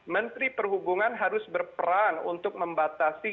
menteri perhubungan harus berperan untuk membatasi